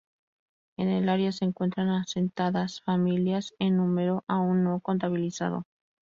En el área se encuentran asentadas familias en número aún no contabilizado.